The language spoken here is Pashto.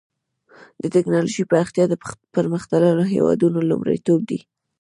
د ټکنالوجۍ پراختیا د پرمختللو هېوادونو لومړیتوب دی.